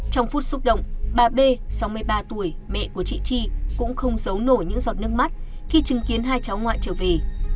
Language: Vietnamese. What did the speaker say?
trong phút xúc động bà b sáu mươi ba tuổi mẹ của chị chi cũng không giấu nổi những giọt nước mắt khi chứng kiến hai cháu ngoại trở về